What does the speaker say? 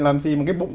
làm gì mà cái bụng